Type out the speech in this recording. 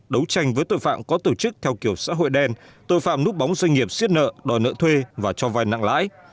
đấu tranh với tội phạm có tổ chức theo kiểu xã hội đen tội phạm núp bóng doanh nghiệp siết nợ đòi nợ thuê và cho vai nặng lãi